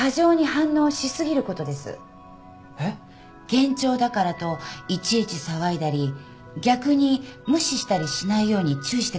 幻聴だからといちいち騒いだり逆に無視したりしないように注意してください。